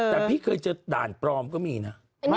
แต่พี่เคยเจอด่านปลอมก็มีนะ